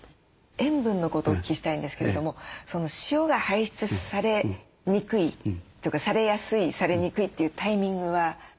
塩分のことをお聞きしたいんですけれども塩が排出されにくいとかされやすいされにくいというタイミングはあるものなんですね？